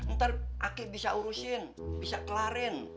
ntar aki bisa urusin bisa kelarin